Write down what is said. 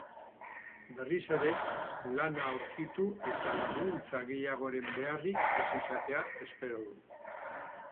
Berriz ere lana aurkitu eta laguntza gehiagoren beharrik ez izatea espero du.